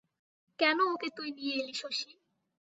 কেন ওকে তুই নিয়ে এলি শশী!